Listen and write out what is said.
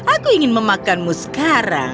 aku ingin memakanmu sekarang